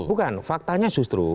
bukan faktanya justru